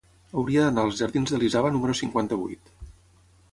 Hauria d'anar als jardins d'Elisava número cinquanta-vuit.